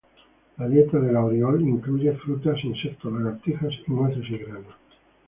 La dieta de la oriol incluye frutas, insectos, lagartijas, y nueces y granos.